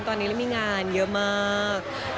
ตอนนี้แล้วมีงานเยอะมาก